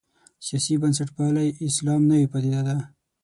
سیاسي بنسټپالی اسلام نوې پدیده ده.